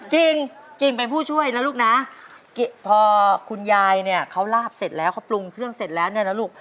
จริงกิ่งเป็นผู้ช่วยนะลูกนะพอคุณยายเนี่ยเขาลาบเสร็จแล้วเขาปรุงเครื่องเสร็จแล้วเนี่ยนะลูก